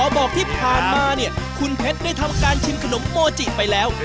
บอกที่ผ่านมาเนี่ยคุณเพชรได้ทำการชิมขนมโมจิไปแล้ว